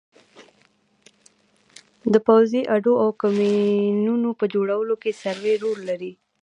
د پوځي اډو او کمینونو په جوړولو کې سروې رول لري